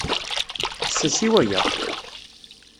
Ḥesses i waya!